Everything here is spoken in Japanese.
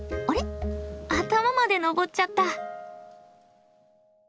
頭までのぼっちゃった。